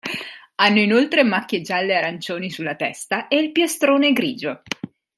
Hanno inoltre macchie gialle e arancioni sulla testa e il piastrone grigio.